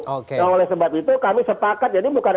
oleh sebab itu kami sepakat jadi bukan